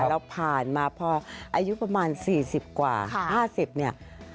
เราผ่านมาพออายุประมาณ๔๐กว่า๕๐เนี่ย